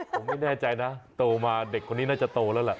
ผมไม่แน่ใจนะโตมาเด็กคนนี้น่าจะโตแล้วแหละ